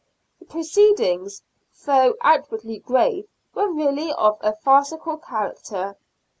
The proceedings, though outwardly grave, were really of a farcical character.